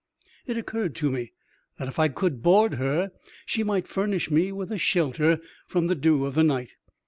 It occurred to me that if I could board her she might furnish me with a shelter from the dew of the night.